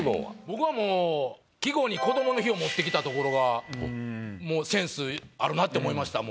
僕はもう季語に「こどもの日」を持ってきたところがって思いました。